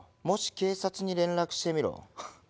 もし警察に連絡してみろ。